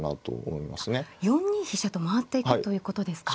４二飛車と回っていくということですか。